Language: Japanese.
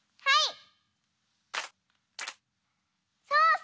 はい！